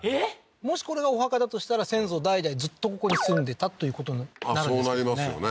もしこれがお墓だとしたら先祖代々ずっとここで住んでたということにまあそうなりますよね